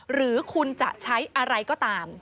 หรือคุณจะใช้อะไรก็ตาม